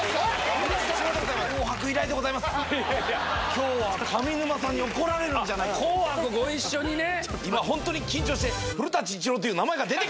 今日は上沼さんに怒られるんじゃないかと思って。